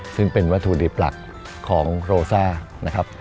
ซึ่งเป็นวัตถุดิบหลักของโรซ่านะครับ